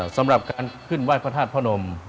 สำหรับการขึ้นไหว้พระธาตุพระนม